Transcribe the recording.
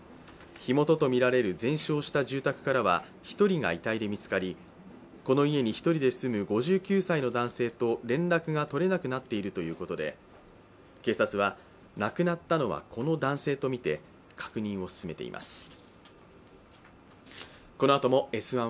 火元とみられる全焼した住宅からは１人が遺体で見つかり、この家に１人で住む５９歳の男性と連絡が取れなくなっているということで警察は、亡くなったのはこの男性とみて確認を進めています。